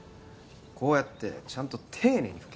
こうやってちゃんと丁寧に拭け